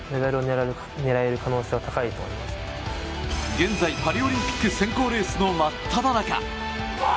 現在パリオリンピック選考レースの真っただ中。